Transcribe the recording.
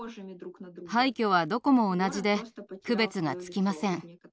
廃虚はどこも同じで区別がつきません。